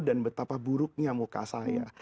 dan betapa buruknya muka saya